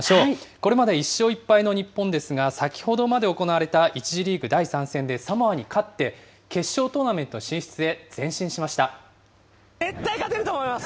これまで１勝１敗の日本ですが、先ほどまで行われた１次リーグ第３戦でサモアに勝って、決勝トー絶対勝てると思います。